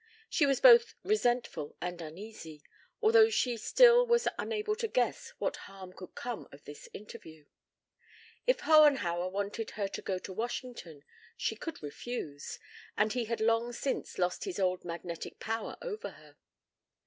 She was both resentful and uneasy, although she still was unable to guess what harm could come of this interview. If Hohenhauer wanted her to go to Washington she could refuse, and he had long since lost his old magnetic power over her.